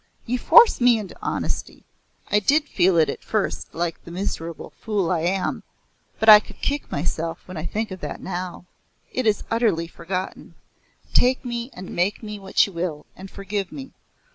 You force me into honesty. I did feel it at first like the miserable fool I am, but I could kick myself when I think of that now. It is utterly forgotten. Take me and make me what you will, and forgive me.